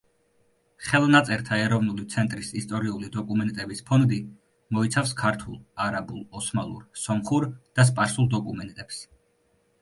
ხელნაწერთა ეროვნული ცენტრის ისტორიული დოკუმენტების ფონდი მოიცავს ქართულ, არაბულ, ოსმალურ, სომხურ და სპარსულ დოკუმენტებს.